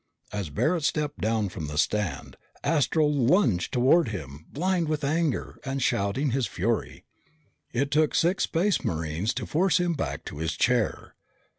As Barret stepped down from the stand, Astro lunged toward him, blind with anger and shouting his fury. It took six Space Marines to force him back to his chair.